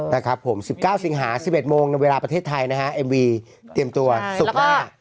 นะครับผมสิบเก้าสิงหาสิบเอ็ดโมงเวลาประเทศไทยนะฮะเอ็มวีเตรียมตัวสุกหน้า